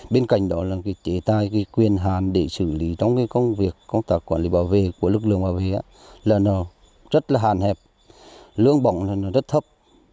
bên cạnh đó chế tài quyền hàn để xử lý trong công việc công tác quản lý bảo vệ của lực lượng bảo vệ lần đầu rất hàn hẹp lương bỏng rất thấp